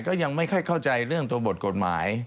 ก็ยังไม่ค่อยเข้าใจเรื่องตัวบทกฎหมาย